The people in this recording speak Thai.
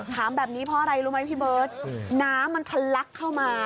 ถามแบบนี้เพราะอะไรรู้ไหมพี่เบิร์ตน้ำมันทะลักเข้ามา